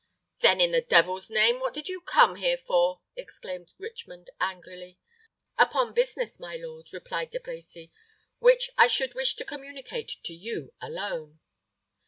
"Then, in the devil's name, what did you come here for?" exclaimed Richmond, angrily. "Upon business, my lord," replied De Brecy, "which I should wish to communicate to you alone."